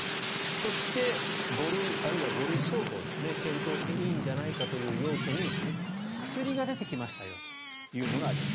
そして、５類、あるいは５類相当検討していいんじゃないかという要素に薬が出てきましたよというのがあります。